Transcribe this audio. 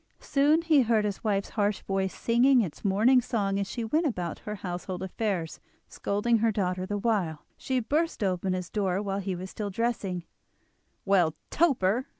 Soon he heard his wife's harsh voice singing its morning song as she went about her household affairs, scolding her daughter the while. She burst open his door while he was still dressing: "Well, Toper!"